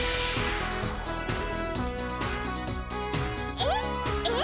「えっ？えっ？